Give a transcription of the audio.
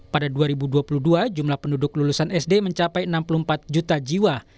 pada dua ribu dua puluh dua jumlah penduduk lulusan sd mencapai enam puluh empat juta jiwa